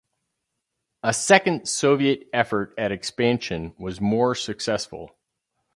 A second Soviet effort at expansion was more successful.